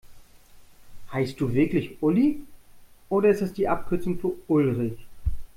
Heißt du wirklich Uli, oder ist das die Abkürzung für Ulrich?